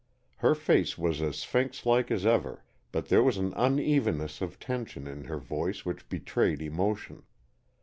Her face was as Sphinx like as ever, but there was an unevenness of tension in her voice which betrayed emotion.